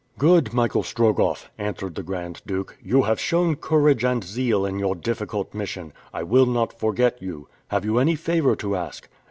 "Good, Michael Strogoff," answered the Grand Duke. "You have shown courage and zeal in your difficult mission. I will not forget you. Have you any favor to ask?"